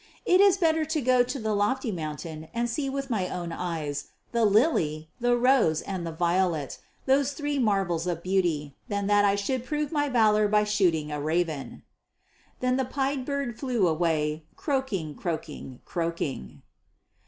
It is better to go to the lofty mountain and see with my own eyes the lily, the rose, and the violet, those three marvels of beauty, than that I should prove my valour by shooting a raven." Then the pied bird flew away, croaking, croaking, croaking.